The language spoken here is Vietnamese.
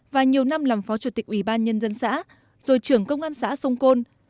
và nhiều năm làm phó chủ tịch ủy ban nhân dân xã rồi trưởng công an xã sông côn